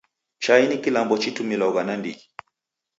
Chai ni kilambo chitumilwagha nandighi.